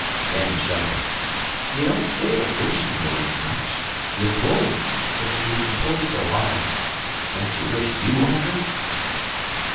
Dan chuckled. "Ye don't sail fishin' dories much. Ye pull; but ye needn't pull so hard. Don't you wish you owned her?"